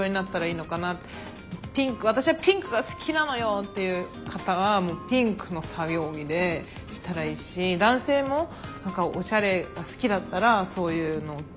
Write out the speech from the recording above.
「私はピンクが好きなのよ！」っていう方はピンクの作業着でしたらいいし男性もおしゃれが好きだったらそういうのを着たらいいし。